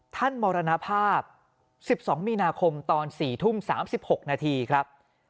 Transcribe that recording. มรณภาพ๑๒มีนาคมตอน๔ทุ่ม๓๖นาทีครับ